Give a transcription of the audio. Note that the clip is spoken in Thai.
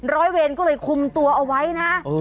ร้อยเวรก็เลยคุมตัวเอาไว้นะ